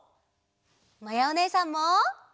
まやおねえさんも！